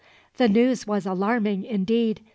The news was alarming, indeed.